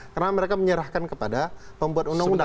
karena mereka menyerahkan kepada pembuat undang undang